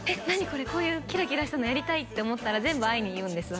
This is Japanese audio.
これこういうキラキラしたのやりたいって思ったら全部愛に言うんです